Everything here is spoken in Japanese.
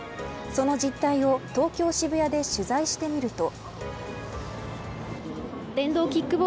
その実態を東京、渋谷で取材してみると。